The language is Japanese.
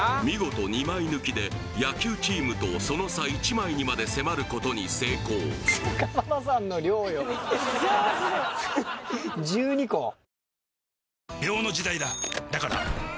見事２枚抜きで野球チームとその差１枚にまで迫ることに成功菅原さんの量よ１２個？